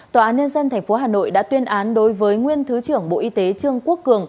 tòa an ninh dân tp hcm đã tuyên án đối với nguyên thứ trưởng bộ y tế trương quốc cường